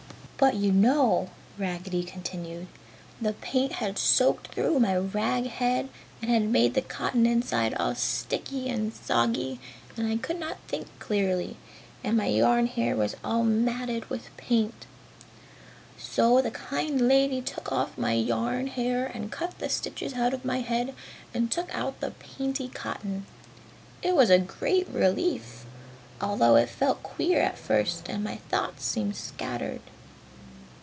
"But you know," Raggedy continued, "the paint had soaked through my rag head and had made the cotton inside all sticky and soggy and I could not think clearly. And my yarn hair was all matted with paint. "So the kind lady took off my yarn hair and cut the stitches out of my head, and took out all the painty cotton. "It was a great relief, although it felt queer at first and my thoughts seemed scattered.